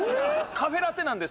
カフェラテなんですよ。